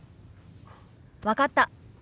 分かった。